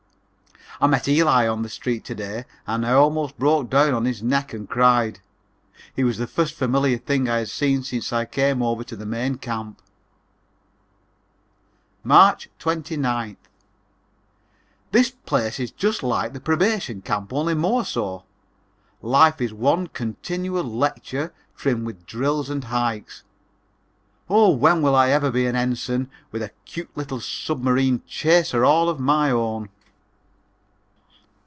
I met Eli on the street to day and I almost broke down on his neck and cried. He was the first familiar thing I had seen since I came over to the main camp. March 29th. This place is just like the Probation Camp, only more so. Life is one continual lecture trimmed with drills and hikes oh, when will I ever be an Ensign, with a cute little Submarine Chaser all my own?